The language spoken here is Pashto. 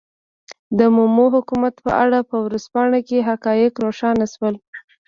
د مومو حکومت په اړه په ورځپاڼه کې حقایق روښانه شول.